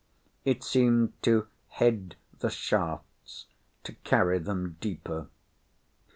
It seemed to head the shafts to carry them deeper.